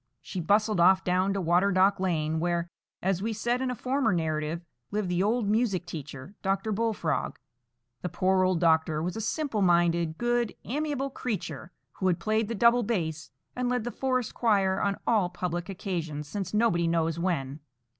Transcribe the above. She bustled off down to Water Dock Lane, where, as we said in a former narrative, lived the old music teacher, Dr. Bullfrog. The poor old doctor was a simple minded, good, amiable creature, who had played the double bass and led the forest choir on all public occasions since nobody knows when.